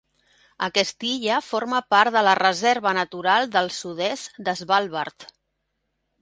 Aquesta illa forma part de la Reserva natural del sud-est de Svalbard.